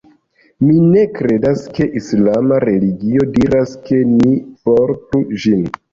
Mi ne kredas ke islama religio diras ke ni portu ĝin.